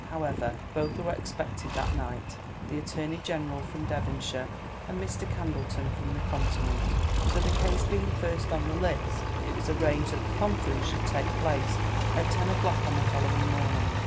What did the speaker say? However, both were expected that night—the Attorney General from Devonshire and Mr. Candleton from the Continent; so the case being first on the list, it was arranged that the conference should take place at ten o'clock on the following morning.